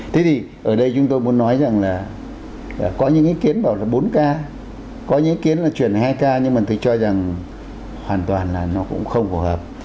thế thì ở đây chúng tôi muốn nói rằng là có những ý kiến bảo là bốn ca có ý kiến là chuyển hai ca nhưng mà tôi cho rằng hoàn toàn là nó cũng không phù hợp